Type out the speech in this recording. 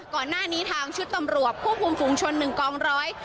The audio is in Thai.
ก่อนหน้านี้ทางชุดตำรวจควบคุมฝุงชนหนึ่งกองร้อย